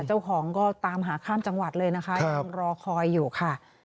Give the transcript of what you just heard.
เจ้าของก็ตามหาข้ามจังหวัดเลยนะคะยังรอคอยอยู่ค่ะ